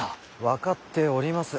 分かっております。